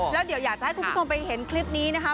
แล้วเดี๋ยวอยากจะให้คุณผู้ชมไปเห็นคลิปนี้นะคะ